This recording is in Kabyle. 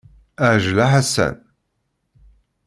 Ɛjel a Ḥasan.